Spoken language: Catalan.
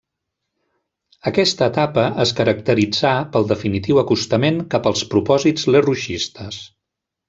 Aquesta etapa es caracteritzà pel definitiu acostament cap als propòsits lerrouxistes.